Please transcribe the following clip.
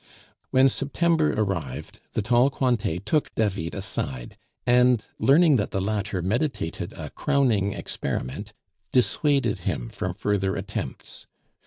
When September arrived, the tall Cointet took David aside, and, learning that the latter meditated a crowning experiment, dissuaded him from further attempts.